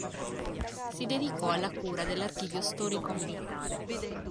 Si dedicò alla cura dell'archivio storico militare.